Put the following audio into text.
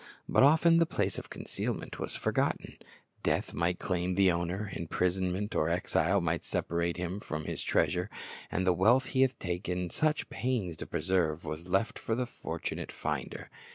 But often the place of concealment was forgotten; death might claim the owner, imprisonment or exile might separate him from his treasure, and the wealth he had taken such pains to preserve was left for the fortunate finder.